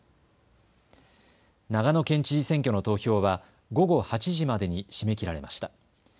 長野県知事選挙の投票は午後８時までに締め切られました。